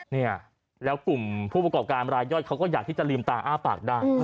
เนี่ยแล้วกลุ่มผู้ประกอบการรายย่อยเขาก็อยากที่จะลืมตาอ้าปากได้